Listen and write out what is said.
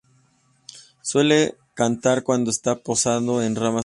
Suele cantar cuando está posado en ramas altas.